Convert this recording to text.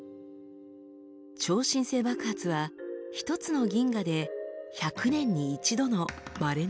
超新星爆発は一つの銀河で１００年に一度のまれな現象です。